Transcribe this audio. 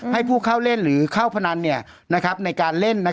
ให้ผู้เข้าเล่นหรือเข้าพนันในการเล่น